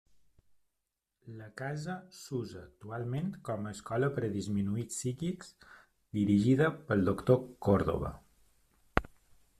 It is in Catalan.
La casa s'usa actualment com a Escola per a disminuïts psíquics dirigida pel Doctor Córdoba.